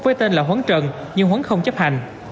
với tên là huấn trần nhưng huấn không chấp hành